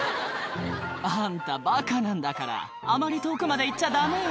「あんたバカなんだからあまり遠くまで行っちゃダメよ」